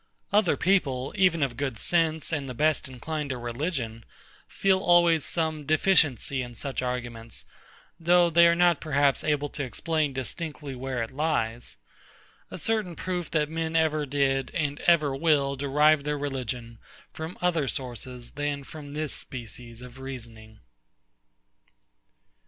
Other people, even of good sense and the best inclined to religion, feel always some deficiency in such arguments, though they are not perhaps able to explain distinctly where it lies; a certain proof that men ever did, and ever will derive their religion from other sources than from this species of reasoning.